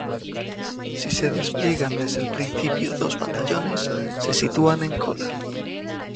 Si se despliegan desde el principio dos batallones, se sitúan en cola.